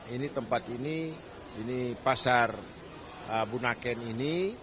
ini tempat ini ini pasar bunaken ini